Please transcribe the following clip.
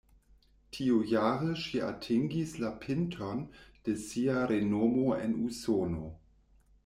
Tiujare ŝi atingis la pinton de sia renomo en Usono.